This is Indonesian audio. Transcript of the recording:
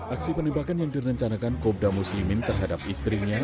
aksi penembakan yang direncanakan kobda muslimin terhadap istrinya